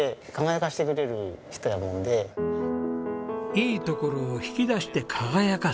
「いいところを引き出して輝かす」。